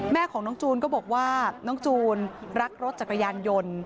แม่ของน้องจูนก็บอกว่าน้องจูนรักรถจักรยานยนต์